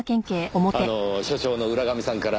あの署長の浦上さんから。